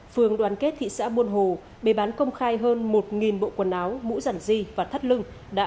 phương đoàn kết thị xã buôn hồ bề bán công khai hơn một bộ quần áo mũ rằn di và thắt lưng đã